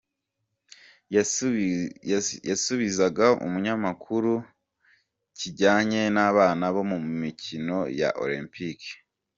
Yasubizaga umunyamakuru kijyanye n’abana bo mu mikino ya Olympique.